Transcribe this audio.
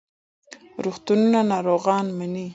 روغتونونه ناروغان مني.